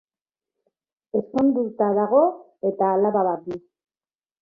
Ezkonduta dago eta alaba bat du.